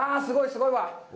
すごいわ。